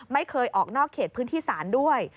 ไม่เคยออกนอกเขตพื้นที่ศาลด้วย